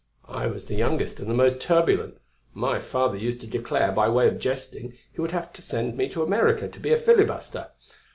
I was the youngest and the most turbulent; my father used to declare, by way of jesting, he would have to send me to America to be a filibuster....